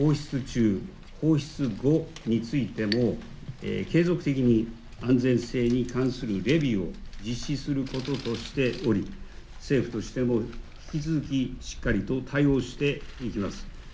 ＩＡＥＡは放出中、放出後についても、継続的に安全性に関するレビューを実施することとしており政府としても引き続きしっかりと対応していきます。